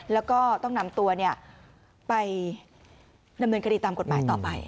แล้วก็ต้องนำตัวไปดำเนินคดีตามกฎหมายต่อไป